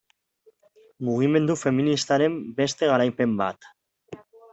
Mugimendu feministaren beste garaipen bat.